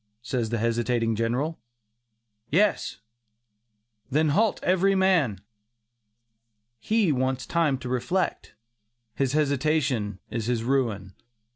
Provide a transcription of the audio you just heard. says the hesitating General. "Yes." "Then halt every man." He wants time to reflect; his hesitation is his ruin.